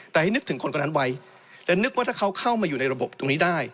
แต่ให้นึกถึงคนคนนั้นไว้และนึกว่าถ้าเขาเข้ามาอยู่ในระบบตรงนี้ได้